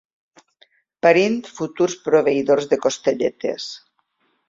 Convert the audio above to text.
Parint futurs proveïdors de costelletes.